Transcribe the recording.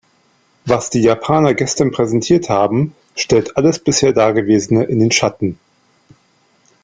Was die Japaner gestern präsentiert haben, stellt alles bisher dagewesene in den Schatten.